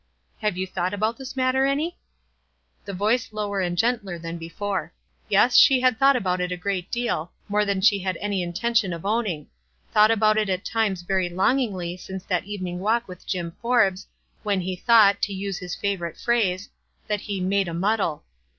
"Have you thought about this matter any?" The voice lower and gentler than before. Yes, she had thought about it a great deal, more than she had any intention of owning — thought about it at times very longingly since that even ing walk with Jim Forbes, when he thought, to use his favorite phrase, that he "made a mud dle."